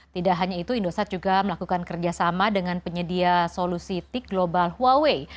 tidak hanya itu indosat juga melakukan kerjasama dengan penyedia solusi tik global huaway